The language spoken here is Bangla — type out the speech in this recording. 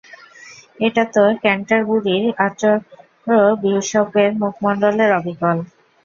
এটা তো ক্যান্টারবুরির আর্চবিশপের মুখমণ্ডলের অবিকল।